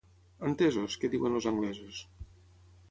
Entesos, que diuen els anglesos